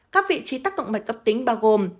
các vị trí tác động mạch cấp tính bao gồm